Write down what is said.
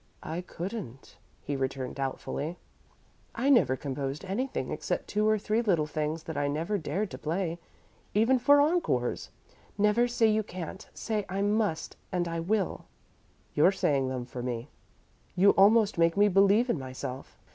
"I couldn't," he returned, doubtfully. "I never composed anything except two or three little things that I never dared to play, even for encores." "Never say you can't. Say 'I must,' and 'I will.'" "You're saying them for me. You almost make me believe in myself."